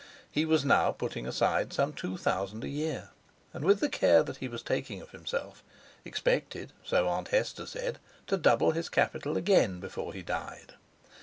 He was now putting aside some two thousand a year, and, with the care he was taking of himself, expected, so Aunt Hester said, to double his capital again before he died.